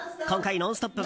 「ノンストップ！」